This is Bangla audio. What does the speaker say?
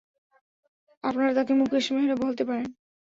আপনারা তাকে মুকেশ মেহরা বলতে পারেন।